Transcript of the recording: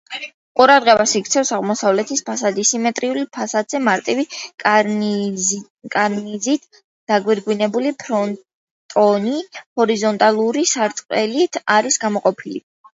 ყურადღებას იქცევს აღმოსავლეთის ფასადი: სიმეტრიულ ფასადზე მარტივი კარნიზით დაგვირგვინებული ფრონტონი ჰორიზონტალური სარტყელით არის გამოყოფილი.